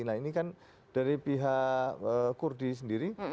nah ini kan dari pihak kurdi sendiri